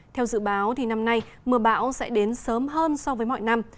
theo dự báo năm nay mưa bão sẽ đến sớm hơn so với mọi năm